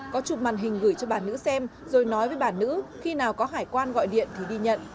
có chụp màn hình gửi cho bà nữ xem rồi nói với bà nữ khi nào có hải quan gọi điện thì đi nhận